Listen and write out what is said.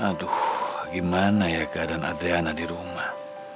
aduh gimana ya keadaan adriana di rumah